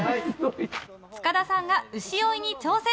塚田さんが牛追いに挑戦。